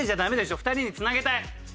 ２人につなげたい。